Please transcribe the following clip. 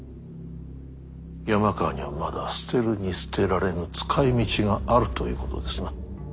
山川にはまだ捨てるに捨てられぬ使いみちがあるということですな。